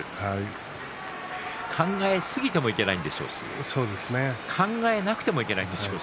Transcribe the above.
考えないといけないでしょうし考えすぎてもいけないんでしょう。